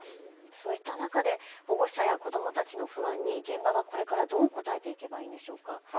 そういった中で保護者や子どもたちの不安に現場はこれからどう応えていけばいいんでしょうか。